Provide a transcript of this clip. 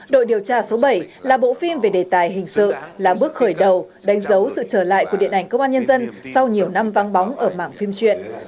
đội điều tra số bảy là bộ phim về đề tài hình sự là bước khởi đầu đánh dấu sự trở lại của điện ảnh công an nhân dân sau nhiều năm vang bóng ở mảng phim truyện